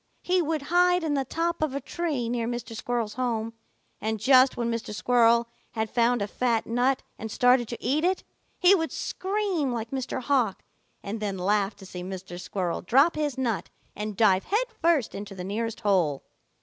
He would hide in the top of a tree near Mr. Squirrel's home, and just when Mr. Squirrel had found a fat nut and started to eat it, he would scream like Mr. Hawk and then laugh to see Mr. Squirrel drop his nut and dive headfirst into the nearest hole.